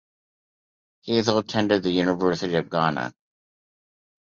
Hazel attended the University of Ghana.